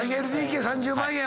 ３ＬＤＫ３０万円。